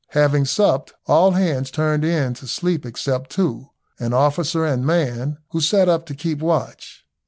Having supped, all hands turned in to sleep except two, an officer and man, who sat up to keep watch.